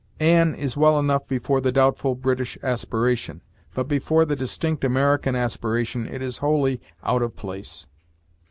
An is well enough before the doubtful British aspiration, but before the distinct American aspiration it is wholly out of place.